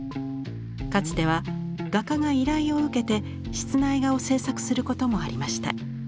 かつては画家が依頼を受けて室内画を制作することもありました。